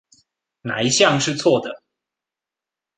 哪一項是錯的？